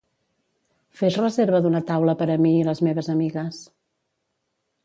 Fes reserva d'una taula per a mi i les meves amigues.